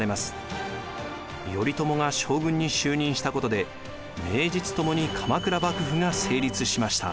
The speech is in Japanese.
頼朝が将軍に就任したことで名実ともに鎌倉幕府が成立しました。